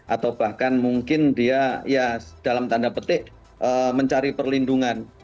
atau bahkan mungkin dia ya dalam tanda petik mencari perlindungan